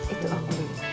itu aku ingin